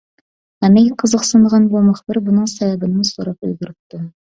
ھەممىگە قىزىقسىنىدىغان بۇ مۇخبىر بۇنىڭ سەۋەبىنىمۇ سوراپ ئۈلگۈرۈپتۇ.